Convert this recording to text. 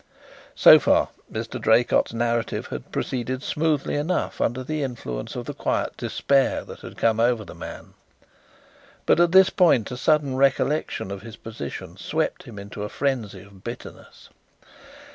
So far Mr. Draycott's narrative had proceeded smoothly enough under the influence of the quiet despair that had come over the man. But at this point a sudden recollection of his position swept him into a frenzy of bitterness.